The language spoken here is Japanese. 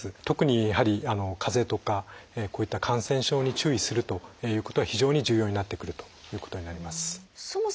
特にやはり風邪とかこういった感染症に注意するということは非常に重要になってくるということになります。